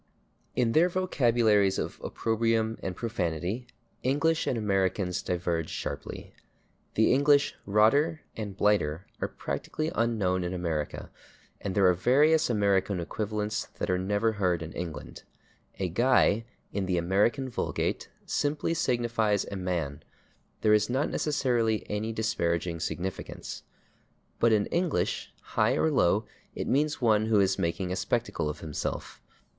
In their vocabularies of opprobrium and profanity English and Americans diverge sharply. The English /rotter/ and /blighter/ are practically unknown in America, and there are various American equivalents that are never heard in England. A /guy/, in the American vulgate, simply signifies a man; there is not necessarily any disparaging significance. But in English, high or low, it means one who is making a spectacle of himself.